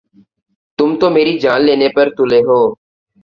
تم تو میری جان لینے پر تُلے ہو